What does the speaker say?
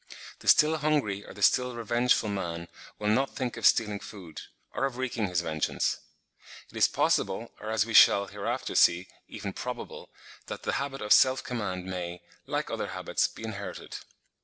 The still hungry, or the still revengeful man will not think of stealing food, or of wreaking his vengeance. It is possible, or as we shall hereafter see, even probable, that the habit of self command may, like other habits, be inherited.